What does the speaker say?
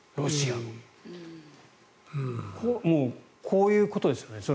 こういうことですよね。